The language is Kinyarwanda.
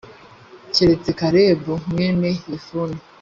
keretse kalebu mwene yefune